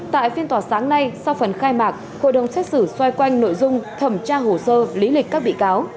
tại phiên tòa sáng nay sau phần khai mạc hội đồng xét xử xoay quanh nội dung thẩm tra hồ sơ lý lịch các bị cáo